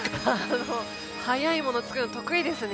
速いもの作るの得意ですね